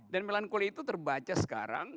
dan melankoli itu terbaca sekarang